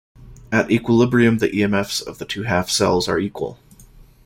At equilibrium the emfs of the two half cells are equal.